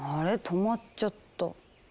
止まっちゃった。